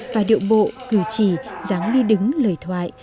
và điệu bộ cử chỉ dáng đi đứng lời thoại